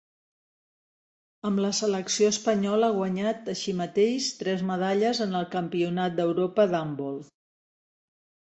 Amb la selecció espanyola ha guanyat, així mateix, tres medalles en el Campionat d'Europa d'handbol.